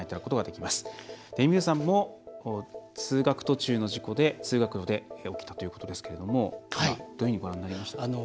えみるさんも通学途中の事故で通学路で起きたということですけれども今、どういうふうにご覧になりました？